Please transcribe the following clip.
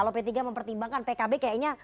kalau p tiga mempertimbangkan pkb kayaknya